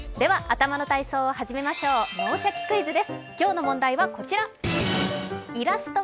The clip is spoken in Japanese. では頭の体操を始めましょう、「脳シャキ！クイズ」です。